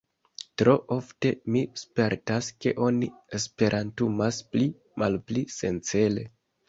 Tro ofte, mi spertas ke oni esperantumas pli-malpli sencele.